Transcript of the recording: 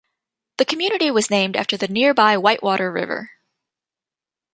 The community was named after the nearby Whitewater River.